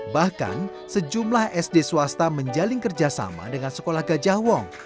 bahkan sejumlah sd swasta menjalin kerjasama dengan sekolah gajah wong